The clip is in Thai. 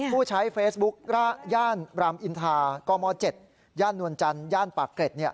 ผู้ใช้เฟซบุ๊กย่านรามอินทากม๗ย่านนวลจันทร์ย่านปากเกร็ด